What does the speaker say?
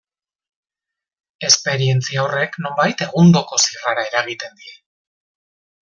Esperientzia horrek, nonbait, egundoko zirrara eragiten die.